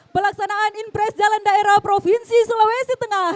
pertanyaan inpres jalan daerah provinsi sulawesi tengah